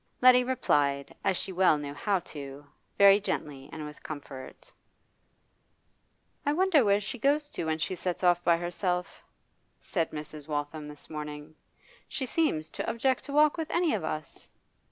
Letty replied, as she well knew how to, very gently and with comfort. 'I wonder where she goes to when she sets off by herself,' said Mrs. Waltham this morning. 'She seems to object to walk with any of us.